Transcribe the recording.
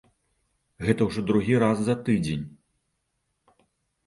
Гэта ўжо другі раз за тыдзень.